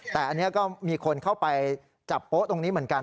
แต่อันนี้ก็มีคนเข้าไปจับโป๊ะตรงนี้เหมือนกัน